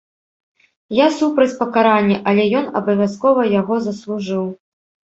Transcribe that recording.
Я супраць пакарання, але ён абавязкова яго заслужыў.